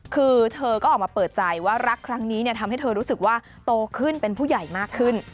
คือเธอก็ออกมาเปิดใจว่ารักครั้งนี้ทำให้เธอรู้สึกว่าโตขึ้นเป็นผู้ใหญ่มากขึ้น